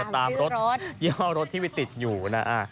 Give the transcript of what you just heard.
ตามรถที่ติดอยู่นะ